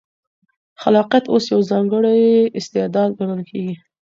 خلاقیت اوس یو ځانګړی استعداد ګڼل کېږي.